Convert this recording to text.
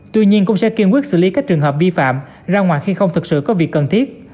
tuy nhiên cũng sẽ kiên quyết xử lý các trường hợp vi phạm ra ngoài khi không thực sự có việc cần thiết